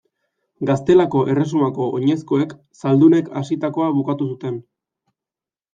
Gaztelako Erresumako oinezkoek, zaldunek hasitakoa bukatu zuten.